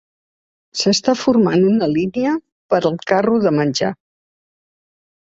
S'està formant una línia per al carro de menjar.